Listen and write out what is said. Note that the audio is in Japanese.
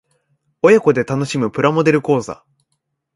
親子で楽しむプラモデル講座